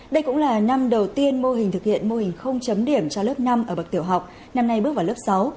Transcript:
đây cũng là năm đầu tiên mô hình thực hiện mô hình không chấm điểm cho lớp năm ở bậc tiểu học năm nay bước vào lớp sáu